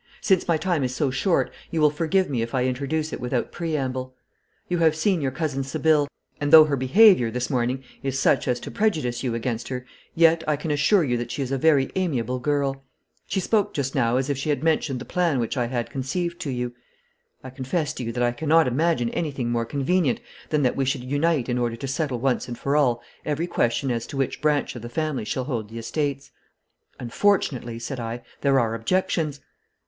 Since my time is so short you will forgive me if I introduce it without preamble. You have seen your cousin Sibylle, and though her behaviour this morning is such as to prejudice you against her, yet I can assure you that she is a very amiable girl. She spoke just now as if she had mentioned the plan which I had conceived to you. I confess to you that I cannot imagine anything more convenient than that we should unite in order to settle once for all every question as to which branch of the family shall hold the estates.' 'Unfortunately,' said I, 'there are objections.'